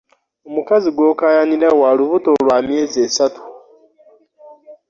Omukazi gw'okaayanira wa lubuto lwa myezi essaatu